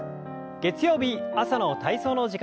月曜日朝の体操の時間です。